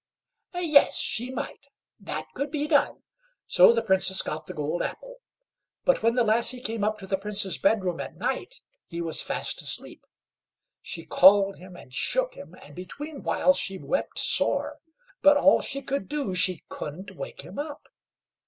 Yes! she might; that could be done. So the Princess got the gold apple; but when the lassie came up to the Prince's bed room at night he was fast asleep; she called him and shook him, and between whiles she wept sore; but all she could do she couldn't wake him up.